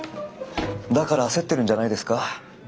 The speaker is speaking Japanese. だから焦ってるんじゃないですか。